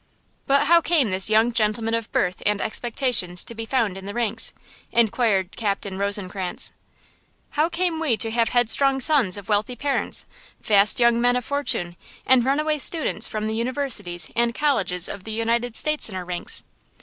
"But how came this young gentleman of birth and expectations to be found in the ranks?" inquired Captain Rosencrantz. "How came we to have headstrong sons of wealthy parents, fast young men of fortune, and runaway students from the universities and colleges of the United States in our ranks?